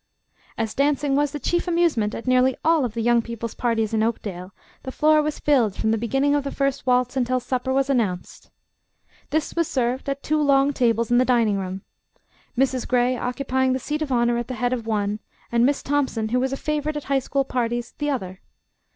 As dancing was the chief amusement at nearly all of the young people's parties in Oakdale, the floor was filled from the beginning of the first waltz until supper was announced. This was served at two long tables in the dining room, Mrs. Gray occupying the seat of honor at the head of one, and Miss Thompson, who was a favorite at High School parties, the other.